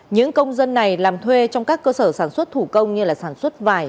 những công dân này làm thuê trong các cơ sở sản xuất thủ công như sản xuất vải